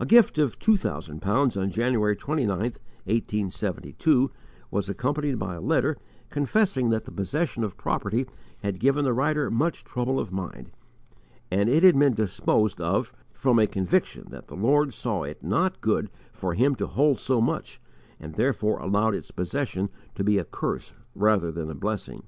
A gift of two thousand pounds on January 29,1872, was accompanied by a letter confessing that the possession of property had given the writer much trouble of mind, and it had been disposed of from a conviction that the Lord "saw it not good" for him to hold so much and therefore allowed its possession to be a curse rather than a blessing.